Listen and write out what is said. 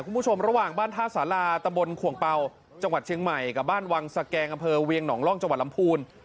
คุณผู้ชมระหว่างบ้านท่าสาราตะบนขวงเป่าจังหวัดเชียงใหม่กับบ้านวังสแกงอำเภอเวียงหนองร่องจังหวัดลำพูน